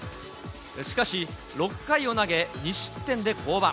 しかし、６回を投げ２失点で降板。